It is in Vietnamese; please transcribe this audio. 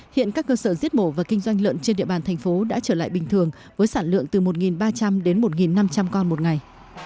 hiện các cơ sở giết mổ và kinh doanh lợn trên địa bàn thành phố đã trở lại bình thường với sản lượng từ một ba trăm linh đến một năm trăm linh con một ngày